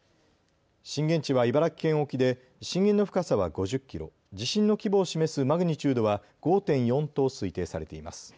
震源地は茨城県沖で震源の深さは５０キロ、地震の規模を示すマグニチュードは５．４と推定されています。